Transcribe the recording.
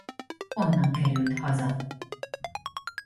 Onnan került haza.